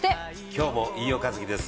今日も飯尾和樹です。